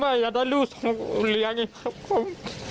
ก็อยากได้ลูกส่งเลี้ยงอีกครับผม